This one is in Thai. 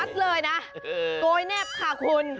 เลยนะโกยแนบค่ะคุณ